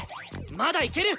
まだいける！